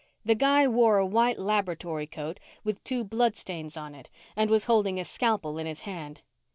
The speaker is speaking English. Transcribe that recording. The guy wore a white laboratory coat with two bloodstains on it and was holding a scalpel in his hand.